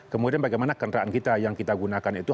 kemudian bagaimana kendaraan kita yang kita gunakan itu